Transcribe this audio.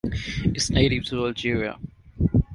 It is native to Algeria.